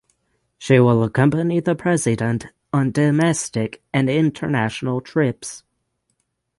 She will accompany the president on domestic and international trips.